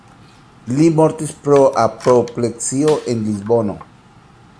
Li mortis pro apopleksio en Lisbono.